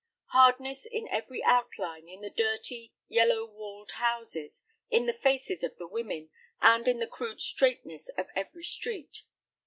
Hardness in every outline, in the dirty, yellow walled houses, in the faces of the women, and in the crude straightness of every street.